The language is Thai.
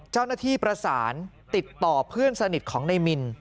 เจ้าหน้าที่ประสานติดต่อเพื่อนสนิทของนายมิน